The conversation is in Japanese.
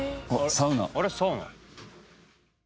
サウナ。